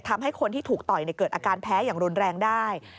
ทำให้คนที่ถูกต่อยเกิดอาการแพ้อย่างรุนแรงได้